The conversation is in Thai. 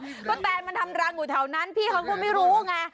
ก็แตนมันทำรังอยู่แถวนั้นพี่เขาก็ไม่รู้ไง